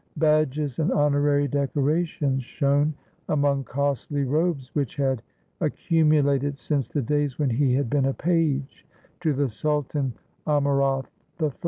Badges and honorary decorations shone among costly robes which had accu mulated since the days when he had been a page to the Sultan Amurath I.